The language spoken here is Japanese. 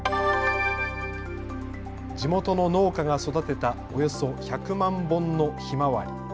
地元の農家が育てたおよそ１００万本のひまわり。